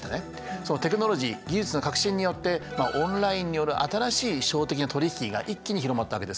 そのテクノロジー技術の革新によってオンラインによる新しい商的な取り引きが一気に広まったわけです。